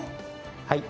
はい。